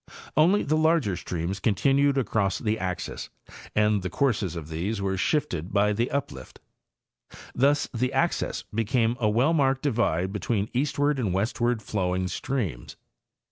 Only the larger streams continued across the axis, and the courses of these were shifted by the uplift. Thus the axis became a well marked divide between eastward and westward flowing streams.